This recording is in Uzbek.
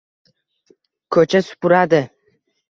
koʼcha supuradi